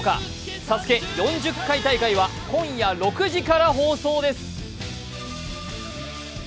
「ＳＡＳＵＫＥ」４０回大会は今夜６時から放送です。